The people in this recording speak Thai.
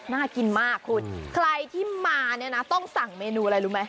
น่ากินมากคุณใครที่มาเนี่ยนะต้องสั่งเมนูอะไรรู้ไหม